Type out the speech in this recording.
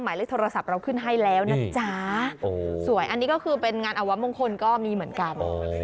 หมายเลขโทรศัพท์เราขึ้นให้แล้วนะจ๊ะสวยอันนี้ก็คือเป็นงานอวะมงคลก็มีเหมือนกัน